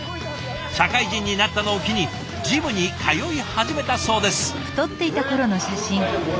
社会人になったのを機にジムに通い始めたそうです。